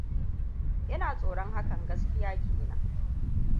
Ina tsoron hakan gaskiya kenan.